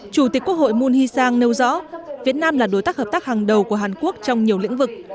chủ tịch quốc hội moon hee sang nêu rõ việt nam là đối tác hợp tác hàng đầu của hàn quốc trong nhiều lĩnh vực